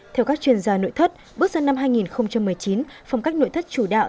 theo các chuyên gia nội thất bước sang năm hai nghìn một mươi chín phong cách nội thất chủ đạo